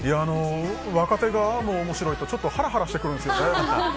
若手が、ああも面白いとハラハラしてくるんですよね。